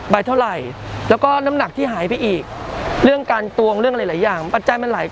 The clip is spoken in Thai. เท่าไหร่แล้วก็น้ำหนักที่หายไปอีกเรื่องการตวงเรื่องหลายอย่างปัจจัยมันหลาย